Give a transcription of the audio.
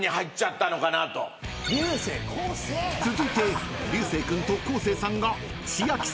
［続いて流星君と昴生さんが］